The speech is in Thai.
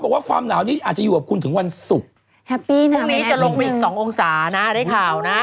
พรุ่งนี้จะลงไปอีก๒องศาได้ข่าวนะ